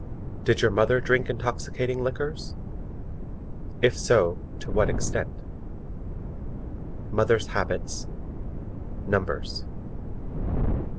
_ DID YOUR MOTHER DRINK INTOXICATING LIQUORS? IF SO, TO WHAT EXTENT? Mothers' habits. Numbers.